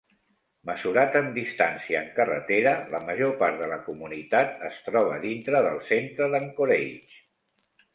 Mesurat en distància en carretera, la major part de la comunitat es troba dintre del centre d'Anchorage.